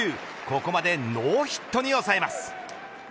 ここまでノーヒットに抑えます。